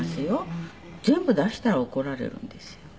全部出したら怒られるんですよ